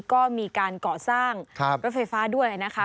ก็มีการก่อสร้างรถไฟฟ้าด้วยนะคะ